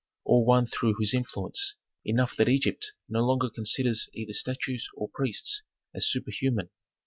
"All one through whose influence; enough that Egypt no longer considers either statues or priests as superhuman.